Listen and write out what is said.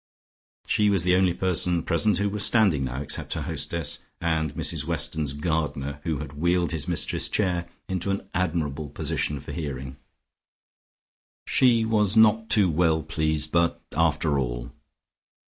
She was the only person present who was standing now except her hostess, and Mrs Weston's gardener, who had wheeled his mistress's chair into an admirable position for hearing. She was not too well pleased, but after all....